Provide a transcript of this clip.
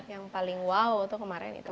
yang paling wow itu kemarin itu